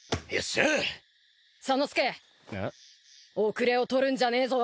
後れを取るんじゃねえぞ。